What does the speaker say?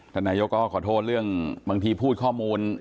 นายกก็ขอโทษเรื่องบางทีพูดข้อมูล